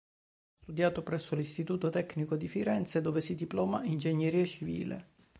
Ha studiato presso l'Istituto Tecnico di Firenze, dove si diploma ingegneria civile.